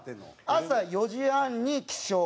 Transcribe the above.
朝４時半に起床。